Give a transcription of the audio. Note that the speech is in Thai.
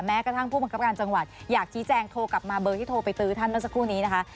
แม้กระทั่งผู้บังคับการจังหวัดอยากชี้แจงโทรกลับมาเบอร์ที่โทรไปตื้อท่านเมื่อสักครู่นี้นะคะ